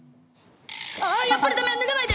あっやっぱりダメ脱がないで！